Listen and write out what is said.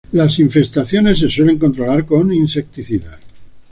Las infestaciones se suelen controlar con insecticidas.